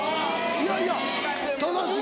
いやいや正しい。